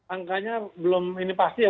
angkanya belum ini pasti ya